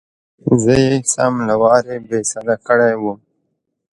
چې زه يې سم له وارې بېسده کړى وم.